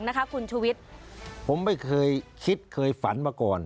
นะคะคุณชุวิตผมไม่เคยคิดเคยฝันมาก่อน